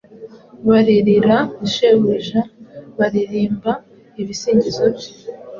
Baririra shebujakandi baririmba ibisingizo bye